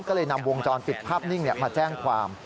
ก็เลยนำวงจรปิดภาพนิ่งมาแจ้งความ